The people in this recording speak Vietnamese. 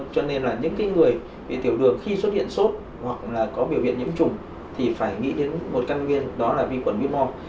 cho nên những người bị tiểu đường khi xuất hiện sốt hoặc có biểu hiện nhiễm trùng thì phải nghĩ đến một căn nguyên đó là vi khuẩn whitmore